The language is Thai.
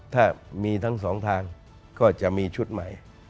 ถ้ามีทั้งสองทางก็จะมีชุดใหม่